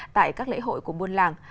tại các lễ hội của muôn làng